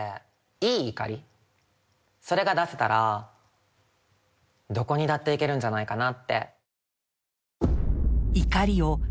いい怒りそれが出せたらどこにだって行けるんじゃないかなって。